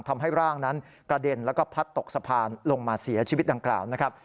ทำให้ร่างนั้นกระเด็นแล้วก็พัดตกสะพานลงมาเสียชีวิตดังกล่าวนะครับ